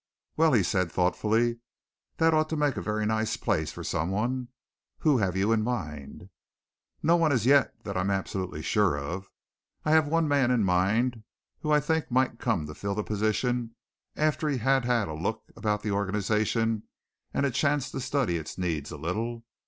"Well," he said thoughtfully, "that ought to make a very nice place for someone. Who have you in mind?" "No one as yet that I'm absolutely sure of. I have one man in mind who I think might come to fill the position after he had had a look about the organization and a chance to study its needs a little.